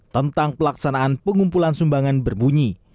tentang pelaksanaan pengumpulan sumbangan berbunyi